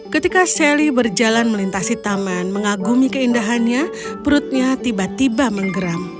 ketika sally berjalan melintasi taman mengagumi keindahannya perutnya tiba tiba menggeram